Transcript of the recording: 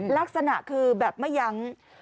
ลักษณะคือแบบไม่ยั้ง